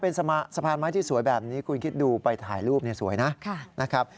เป็นสะพานไม้ที่สวยแบบนี้คุณคิดดูไปถ่ายรูปเนี่ยสวยนะนะครับ